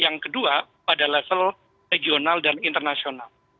yang kedua pada level regional dan internasional